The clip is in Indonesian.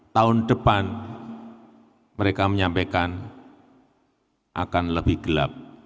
tahun depan mereka menyampaikan akan lebih gelap